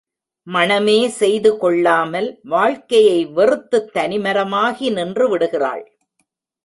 மணமே செய்து கொள்ளாமல் வாழ்க்கையை வெறுத்துத் தனிமரமாகி நின்று விடுகிறாள்.